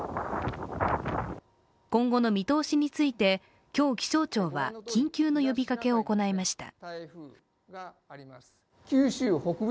今後の見通しについて、今日、気象庁は緊急の呼びかけを行いました。